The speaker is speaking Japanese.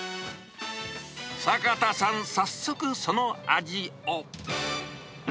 坂田さん、早速その味を。